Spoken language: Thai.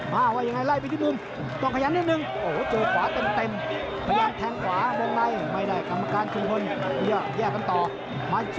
มาว่ายังไงไล่ไปที่มุม